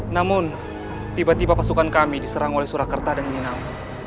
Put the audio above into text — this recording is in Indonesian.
namun tiba tiba pasukan kami diserang oleh surakarta dan minal